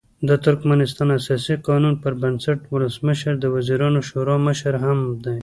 د ترکمنستان اساسي قانون پر بنسټ ولسمشر د وزیرانو شورا مشر هم دی.